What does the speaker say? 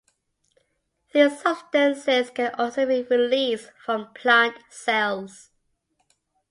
These substances can also be released from plant cells.